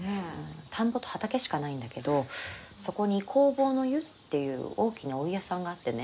田んぼと畑しかないんだけどそこに弘法湯っていう大きなお湯屋さんがあってね。